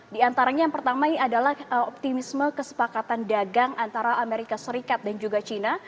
di antaranya yang pertama adalah optimisme kesepakatan dagang antara amerika serikat dan juga cina